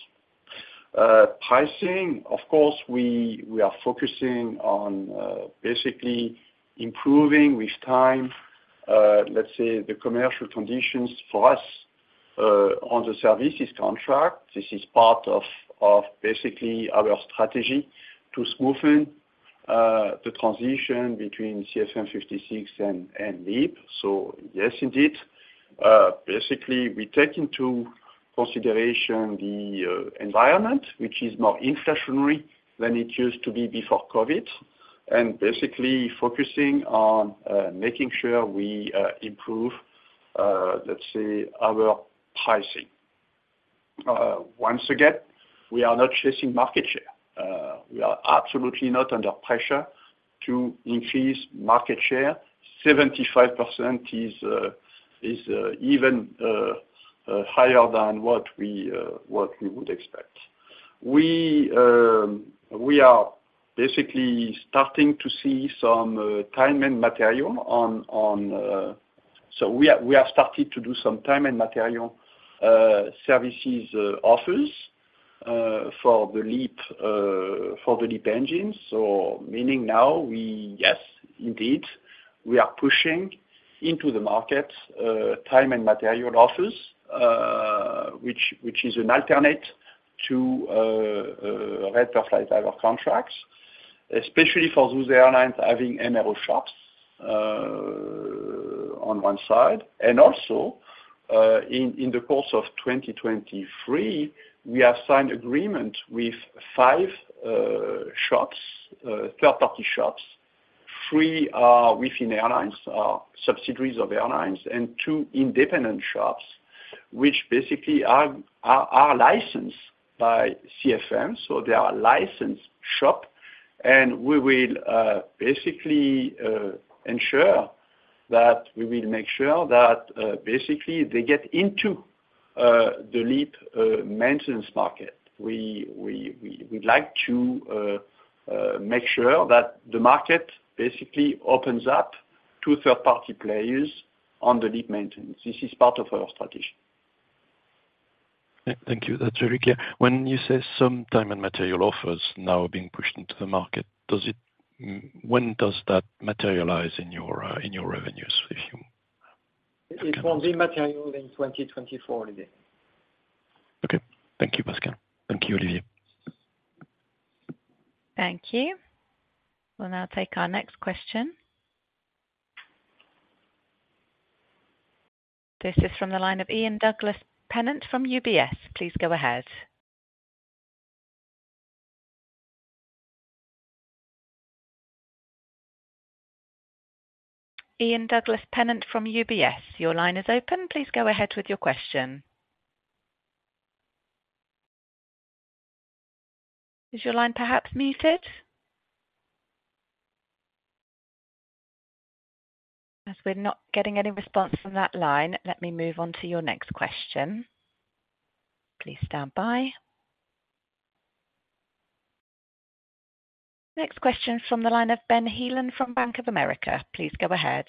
Pricing, of course, we are focusing on basically improving with time, let's say, the commercial conditions for us on the services contract. This is part of basically our strategy to smoothen the transition between CFM56 and LEAP. So yes, indeed, basically, we take into consideration the environment, which is more inflationary than it used to be before COVID, and basically focusing on making sure we improve, let's say, our pricing. Once again, we are not chasing market share. We are absolutely not under pressure to increase market share. 75% is even higher than what we would expect. We are basically starting to see some time and material on... So we are starting to do some time and material services offers for the LEAP engines. So meaning now we, yes, indeed, we are pushing into the market, time and material offers, which is an alternate to rate per flight hour contracts, especially for those airlines having MRO shops, on one side. And also, in the course of 2023, we have signed agreement with 5 shops, third-party shops, 3 within airlines, subsidiaries of airlines, and 2 independent shops, which basically are licensed by CFM. So they are a licensed shop, and we will basically ensure that we will make sure that basically they get into the LEAP maintenance market. We, we'd like to make sure that the market basically opens up to third-party players on the LEAP maintenance. This is part of our strategy. Yeah. Thank you. That's very clear. When you say some time and material offers now are being pushed into the market, does it, when does that materialize in your, in your revenues, if you- It will be material in 2024, Olivier. Okay. Thank you, Pascal. Thank you, Olivier. Thank you. We'll now take our next question. This is from the line of Ian Douglas-Pennant from UBS. Please go ahead. ... Ian Douglas-Pennant from UBS, your line is open. Please go ahead with your question. Is your line perhaps muted? As we're not getting any response from that line, let me move on to your next question. Please stand by. Next question from the line of Ben Heelan from Bank of America. Please go ahead.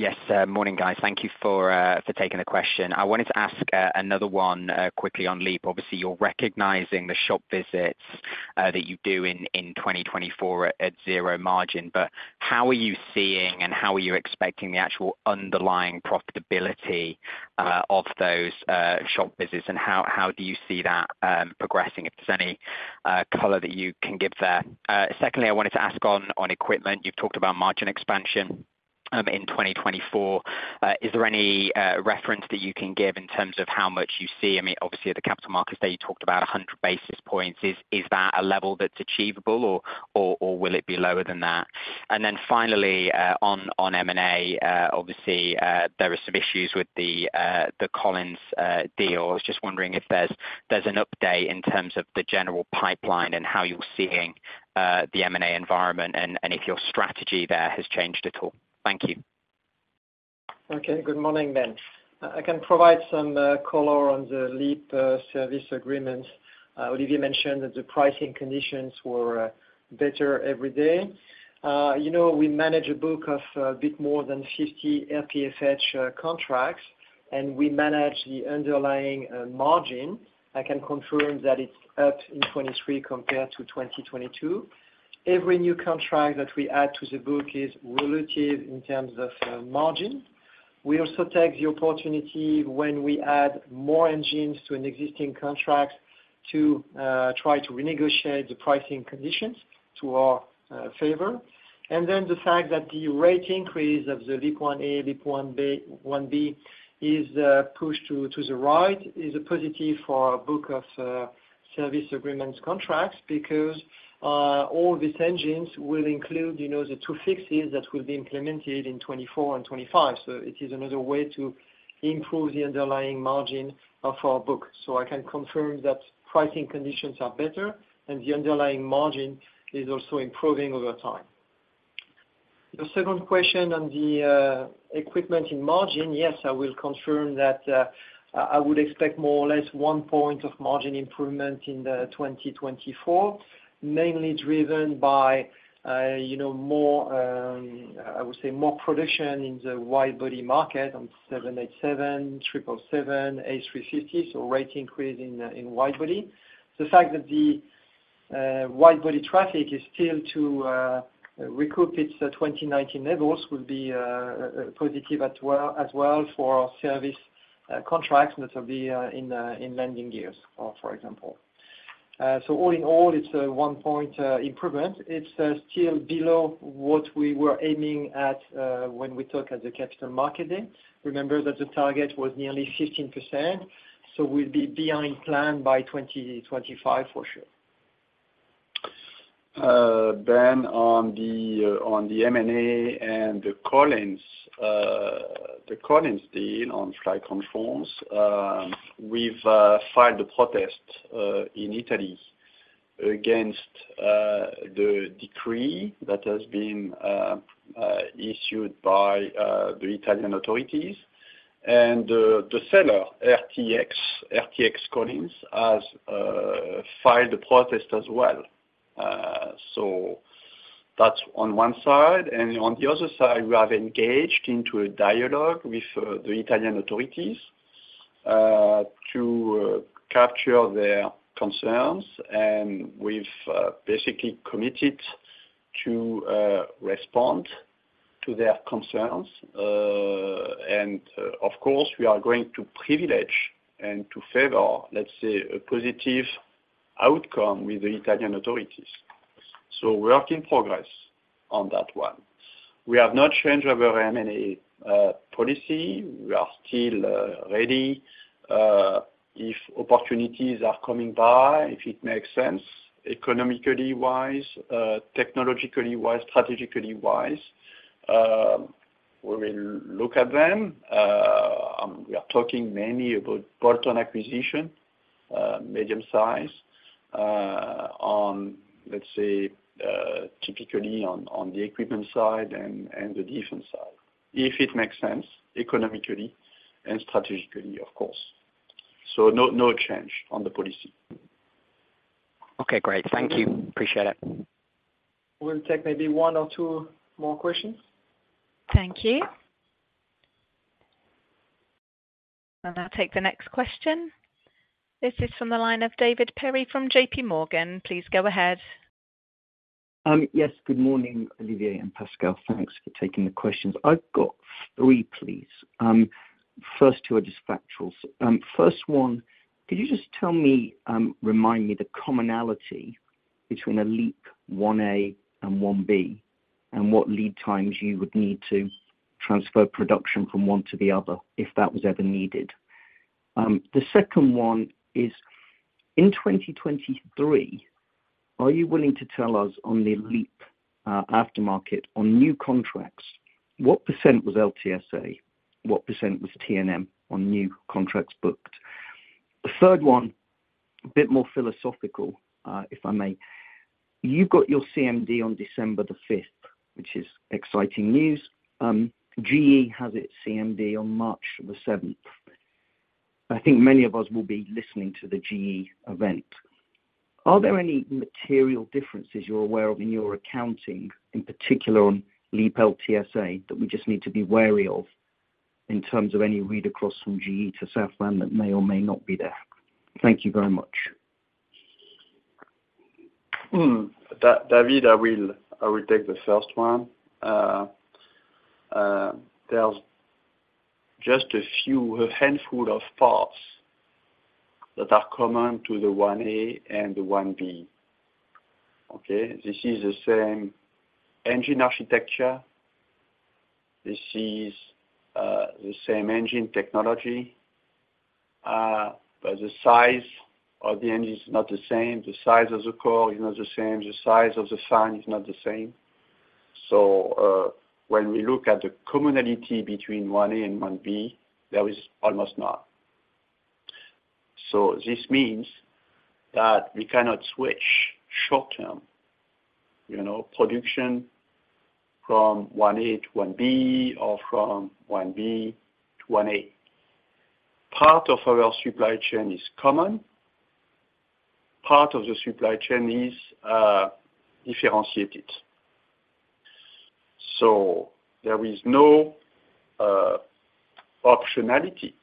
Yes, morning, guys. Thank you for taking the question. I wanted to ask another one quickly on LEAP. Obviously, you're recognizing the shop visits that you do in 2024 at zero margin, but how are you seeing, and how are you expecting the actual underlying profitability of those shop visits, and how do you see that progressing? If there's any color that you can give there. Secondly, I wanted to ask on equipment. You've talked about margin expansion in 2024. Is there any reference that you can give in terms of how much you see? I mean, obviously, at the capital markets day, you talked about 100 basis points. Is that a level that's achievable, or will it be lower than that? And then finally, on M&A, obviously, there are some issues with the Collins deal. I was just wondering if there's an update in terms of the general pipeline and how you're seeing the M&A environment and if your strategy there has changed at all. Thank you. Okay, good morning, Ben. I can provide some color on the LEAP service agreement. Olivier mentioned that the pricing conditions were better every day. You know, we manage a book of a bit more than 50 RPFH contracts, and we manage the underlying margin. I can confirm that it's up in 2023 compared to 2022. Every new contract that we add to the book is relative in terms of margin. We also take the opportunity when we add more engines to an existing contract to try to renegotiate the pricing conditions to our favor. And then the fact that the rate increase of the LEAP-1A, LEAP-1B, 1B is pushed to the right is a positive for our book of service agreements contracts because all these engines will include, you know, the two fixes that will be implemented in 2024 and 2025. So it is another way to improve the underlying margin of our book. So I can confirm that pricing conditions are better, and the underlying margin is also improving over time. The second question on the equipment in margin, yes, I will confirm that I would expect more or less one point of margin improvement in the 2024, mainly driven by, you know, more I would say more production in the widebody market on 787, 777, A350, so rate increase in widebody. The fact that the widebody traffic is still to recoup its 2019 levels will be positive as well, as well for our service contracts that will be in landing gears, for example. So all in all, it's a one point improvement. It's still below what we were aiming at when we talk at the capital market day. Remember that the target was nearly 15%, so we'll be behind plan by 2025, for sure. Ben, on the M&A and the Collins, the Collins deal on flight controls, we've filed a protest in Italy against the decree that has been issued by the Italian authorities. And the seller, RTX, RTX Collins, has filed a protest as well. So that's on one side, and on the other side, we have engaged into a dialogue with the Italian authorities to capture their concerns, and we've basically committed to respond to their concerns. And of course, we are going to privilege and to favor, let's say, a positive outcome with the Italian authorities. So work in progress on that one. We have not changed our M&A policy. We are still ready if opportunities are coming by, if it makes sense, economically wise, technologically wise, strategically wise, we will look at them. We are talking mainly about bolt-on acquisition, medium size, on, let's say, typically on, on the equipment side and, and the defense side. If it makes sense, economically and strategically, of course. So no, no change on the policy. Okay, great. Thank you. Appreciate it. We'll take maybe one or two more questions. Thank you. I'll now take the next question. This is from the line of David Perry from J.P. Morgan. Please go ahead. Yes. Good morning, Olivier and Pascal. Thanks for taking the questions. I've got three, please. First two are just factuals. First one, could you just tell me, remind me, the commonality between a LEAP-1A and LEAP-1B, and what lead times you would need to transfer production from one to the other, if that was ever needed? The second one is, in 2023... Are you willing to tell us on the LEAP aftermarket, on new contracts, what % was LTSA? What % was T&M on new contracts booked? The third one, a bit more philosophical, if I may. You've got your CMD on December the 5th, which is exciting news. GE has its CMD on March the 7th. I think many of us will be listening to the GE event. Are there any material differences you're aware of in your accounting, in particular on LEAP LTSA, that we just need to be wary of in terms of any read across from GE to Safran that may or may not be there? Thank you very much. David, I will take the first one. There's just a few, a handful of parts that are common to the 1A and the 1B. Okay? This is the same engine architecture. This is the same engine technology, but the size of the engine is not the same. The size of the core is not the same, the size of the fan is not the same. So, when we look at the commonality between 1A and 1B, there is almost none. So this means that we cannot switch short term, you know, production from 1A to 1B or from 1B to 1A. Part of our supply chain is common, part of the supply chain is differentiated. So there is no optionality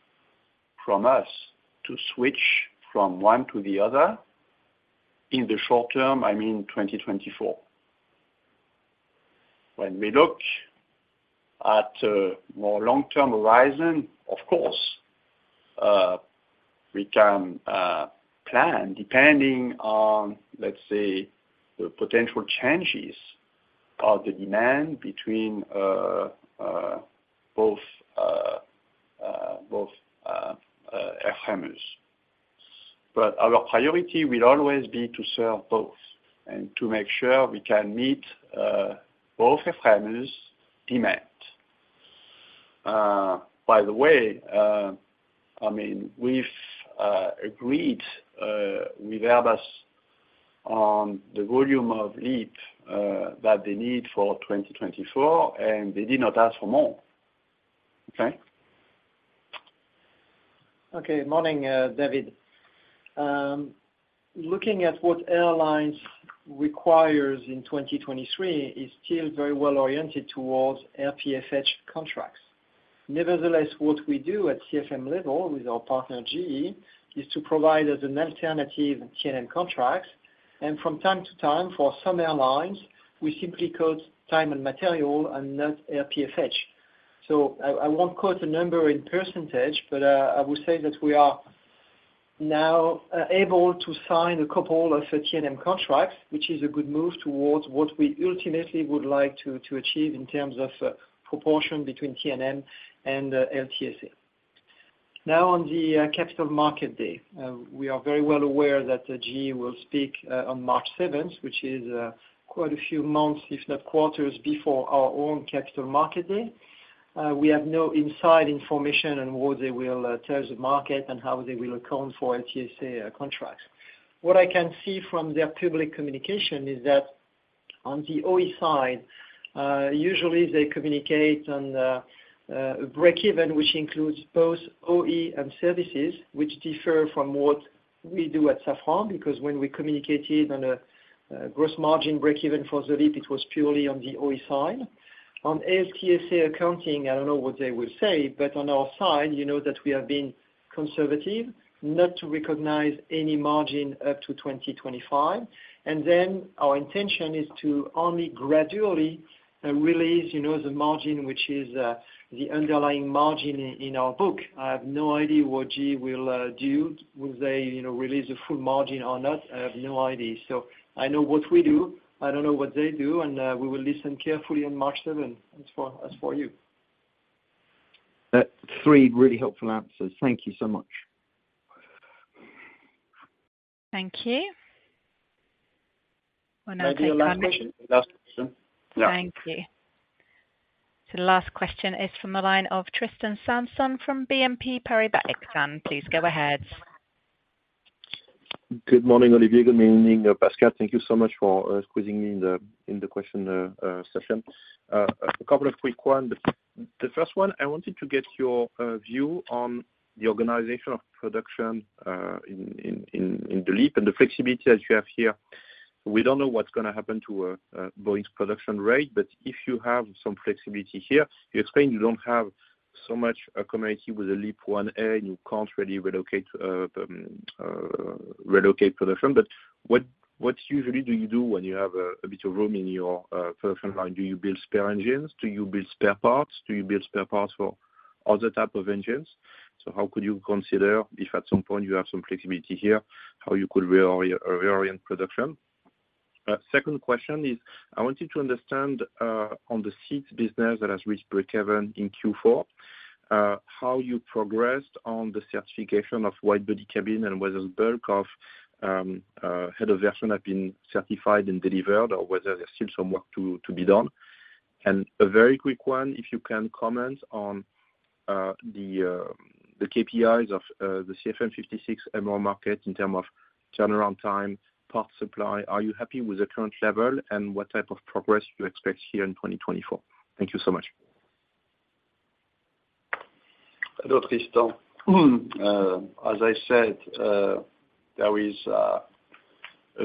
from us to switch from one to the other in the short term, I mean, 2024. When we look at a more long-term horizon, of course, we can plan depending on, let's say, the potential changes of the demand between both airframes. But our priority will always be to serve both and to make sure we can meet both airframes' demand. By the way, I mean, we've agreed with Airbus on the volume of LEAP that they need for 2024, and they did not ask for more. Okay? Okay. Morning, David. Looking at what airlines requires in 2023 is still very well oriented towards RPFH contracts. Nevertheless, what we do at CFM level with our partner, GE, is to provide as an alternative T&M contracts, and from time to time, for some airlines, we simply quote time and material and not RPFH. So I, I won't quote the number in percentage, but, I will say that we are now, able to sign a couple of T&M contracts, which is a good move towards what we ultimately would like to, to achieve in terms of, proportion between T&M and, LTSA. Now, on the, capital market day, we are very well aware that the GE will speak, on March 7th, which is, quite a few months, if not quarters, before our own capital market day. We have no inside information on what they will tell the market and how they will account for LTSA contracts. What I can see from their public communication is that on the OE side, usually they communicate on a breakeven, which includes both OE and services, which differ from what we do at Safran. Because when we communicated on a gross margin breakeven for the LEAP, it was purely on the OE side. On LTSA accounting, I don't know what they will say, but on our side, you know that we have been conservative not to recognize any margin up to 2025. And then our intention is to only gradually release, you know, the margin, which is the underlying margin in our book. I have no idea what GE will do. Will they, you know, release a full margin or not? I have no idea. So I know what we do. I don't know what they do, and we will listen carefully on March 7th. As for, as for you. Three really helpful answers. Thank you so much. Thank you. May I do one last question? Thank you. So the last question is from the line of Tristan Sanson from BNP Paribas Exane. Please go ahead. Good morning, Olivier. Good morning, Pascal. Thank you so much for squeezing me in the question session. A couple of quick ones. The first one, I wanted to get your view on the organization of production in the LEAP and the flexibility that you have here. We don't know what's gonna happen to Boeing's production rate, but if you have some flexibility here, you explain you don't have so much commonality with the LEAP-1A, and you can't really relocate production. But what usually do you do when you have a bit of room in your production line? Do you build spare engines? Do you build spare parts? Do you build spare parts for other type of engines? So how could you consider if at some point you have some flexibility here, how you could reorient production? Second question is, I want you to understand on the seats business that has reached break even in Q4, how you progressed on the certification of wide-body cabin and whether [the bulk of head of version] have been certified and delivered, or whether there's still some work to be done? And a very quick one, if you can comment on the KPIs of the CFM56 MRO market in terms of turnaround time, part supply. Are you happy with the current level, and what type of progress you expect here in 2024? Thank you so much. Hello, Tristan. As I said, there is a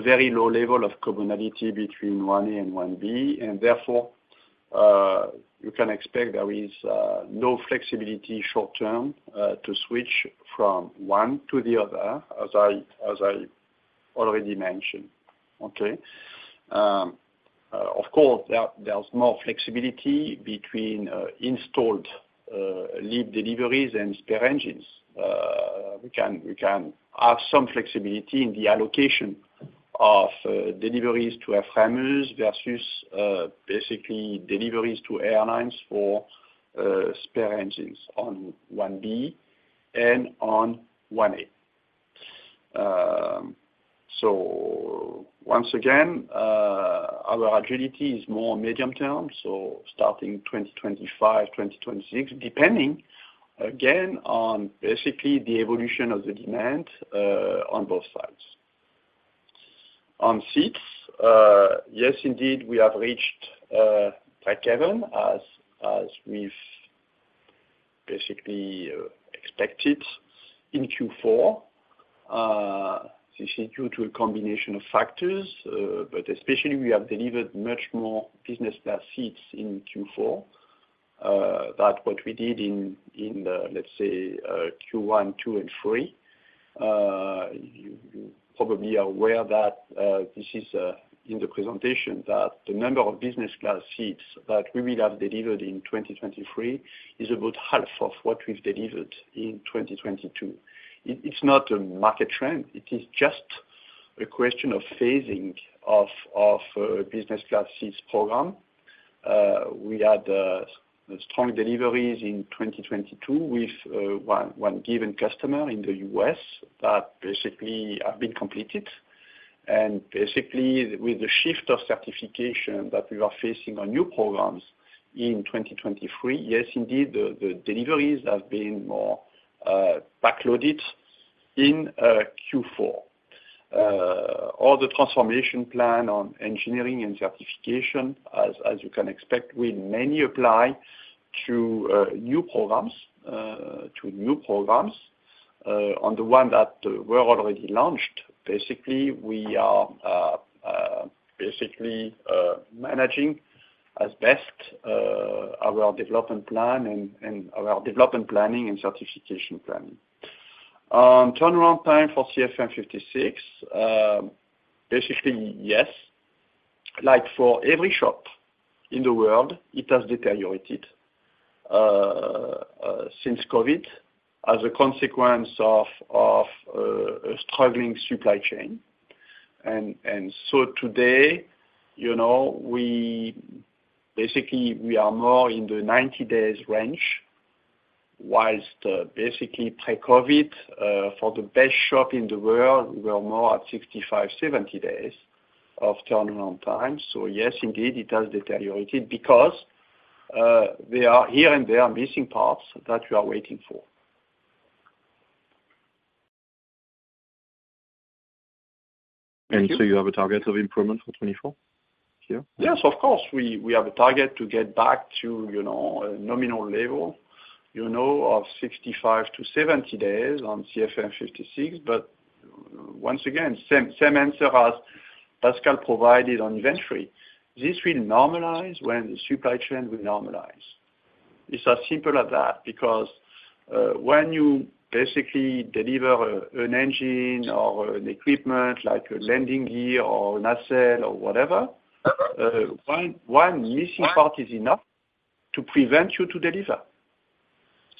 very low level of commonality between 1A and 1B, and therefore, you can expect there is no flexibility short term to switch from one to the other, as I already mentioned. Okay? Of course, there's more flexibility between installed LEAP deliveries and spare engines. We can have some flexibility in the allocation of deliveries to our airframers versus basically deliveries to airlines for spare engines on 1B and on 1A. So once again, our agility is more medium term, so starting 2025, 2026, depending again on basically the evolution of the demand on both sides. On seats, yes, indeed, we have reached break even as we've basically expected in Q4. This is due to a combination of factors, but especially we have delivered much more business class seats in Q4 than what we did in the, let's say, Q1, Q2, and Q3. You probably are aware that this is in the presentation, that the number of business class seats that we will have delivered in 2023 is about half of what we've delivered in 2022. It's not a market trend, it is just a question of phasing of business class seats program. We had strong deliveries in 2022 with one given customer in the U.S. that basically have been completed. And basically, with the shift of certification that we are facing on new programs in 2023, yes, indeed, the deliveries have been more backloaded in Q4. All the transformation plan on engineering and certification, as you can expect, will mainly apply to new programs, to new programs, on the one that were already launched. Basically, we are basically managing as best our development plan and our development planning and certification planning. Turnaround time for CFM56, basically yes, like for every shop in the world, it has deteriorated since COVID as a consequence of a struggling supply chain. And so today, you know, we basically, we are more in the 90 days range, whilst basically pre-COVID, for the best shop in the world, we are more at 65-70 days of turnaround time. So yes, indeed, it has deteriorated because we are here and there are missing parts that we are waiting for. So you have a target of improvement for 2024? Yes, of course, we have a target to get back to, you know, a nominal level, you know, of 65-70 days on CFM56. But once again, same answer as Pascal provided on inventory. This will normalize when the supply chain will normalize. It's as simple as that, because when you basically deliver an engine or an equipment, like a landing gear or an asset or whatever, one missing part is enough to prevent you to deliver.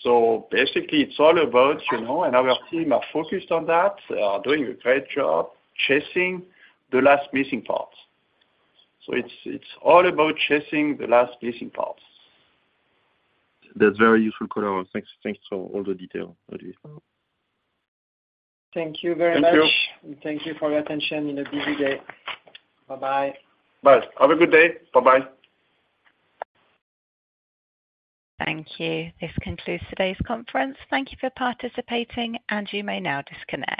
So basically, it's all about, you know, and our team are focused on that. They are doing a great job chasing the last missing parts. So it's all about chasing the last missing parts. That's very useful. [AUDIO DISTORTION] Thanks, thanks for all the detail. Thank you very much. Thank you. Thank you for your attention in a busy day. Bye-bye. Bye. Have a good day. Bye-bye. Thank you. This concludes today's conference. Thank you for participating, and you may now disconnect.